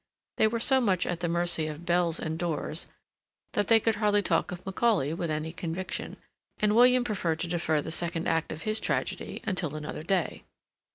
They were so much at the mercy of bells and doors that they could hardly talk of Macaulay with any conviction, and William preferred to defer the second act of his tragedy until another day.